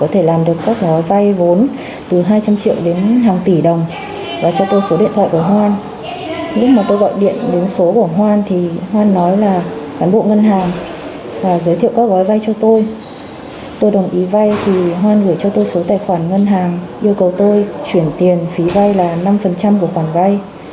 trường ý vay thì hoan gửi cho tôi số tài khoản ngân hàng yêu cầu tôi chuyển tiền phí vay là năm của khoản vay